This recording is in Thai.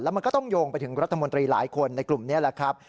มันก็ต้องโยงไปถึงรัฐมนตรีหลายคนในกลุ่มนี้แหละครับ